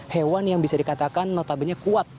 hewan yang bisa dikatakan notabene kuat